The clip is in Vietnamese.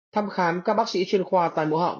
thăm khám các bác sĩ chuyên khoa tai mũi họng